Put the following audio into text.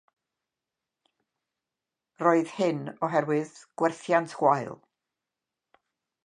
Roedd hyn oherwydd gwerthiant gwael.